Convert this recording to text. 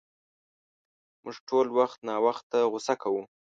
مونږ ټول وخت ناوخته غصه کوو.